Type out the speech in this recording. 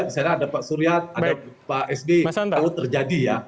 disana ada pak suryat ada pak sd itu terjadi ya